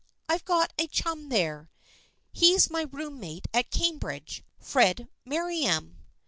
I've got a chum there. He's my roommate at Cambridge, Fred Merriam.